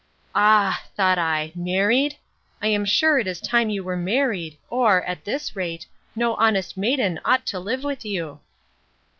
Ah! thought I, married? I am sure it is time you were married, or, at this rate, no honest maiden ought to live with you.